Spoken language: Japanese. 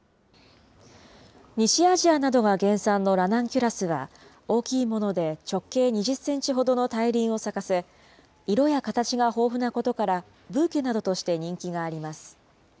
西アジアなどが原産のラナンキュラスは、大きいもので直径２０センチほどの大輪を咲かせ、色や形が豊富なことから、ブーケなどとして人気があります。